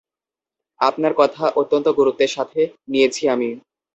আপনার কথা অত্যন্ত গুরুত্বের সাথে নিয়েছি আমি!